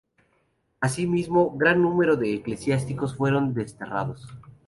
Asimismo gran número de eclesiásticos fueron desterrados.